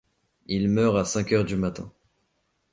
Il meurt a cinq heures du matin.